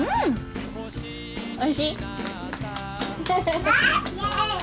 おいしい？